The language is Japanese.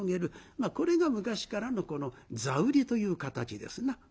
これが昔からの座売りという形ですな。